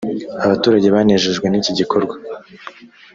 Abaturage banejejwe n’iki gikorwa